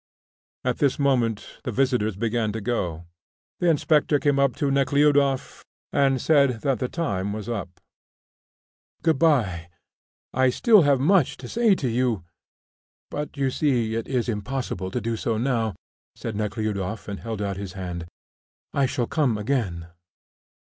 At this moment the visitors began to go. The inspector came up to Nekhludoff and said that the time was up. "Good bye; I have still much to say to you, but you see it is impossible to do so now," said Nekhludoff, and held out his hand. "I shall come again."